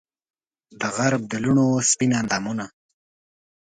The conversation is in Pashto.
دغرب د لوڼو سپین اندامونه